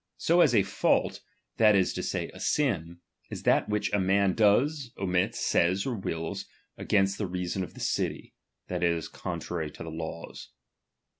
So as a f\^ult, that is to say, a sin, is that which a man does, omits, says, or wills, against the reason of t^e city, that is, contrarj' to the laws.